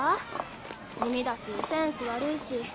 地味だしセンス悪いし。